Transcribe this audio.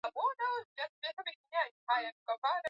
ambako ni lazima kuweka kila jengo juu ya nguzo